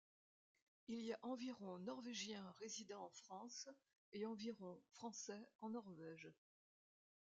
Il y a environ Norvégiens résidant en France, et environ Français en Norvège.